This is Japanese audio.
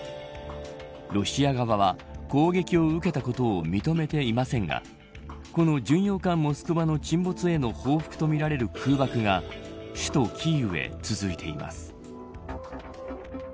ロシア側は攻撃を受けたことを認めていませんがこの巡洋艦モスクワの沈没への報復とみられる空爆が首都キーウへ続いています。